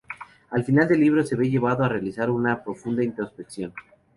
Al final del libro se ve llevado a realizar una profunda introspección.